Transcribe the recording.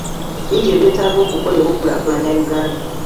Bingi ebyetaaga okukolebwa okulaakulanya Uganda.